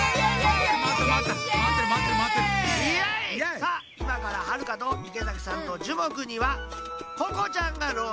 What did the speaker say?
さあいまからはるかと池崎さんとジュモクにはここちゃんがろう